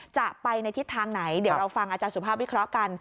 จะไปในทิศทางไหนเดี๋ยวเราฟังอาจารย์สุภาพวิเคราะห์กัน